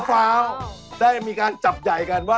ข้ามี่แหกพ่อน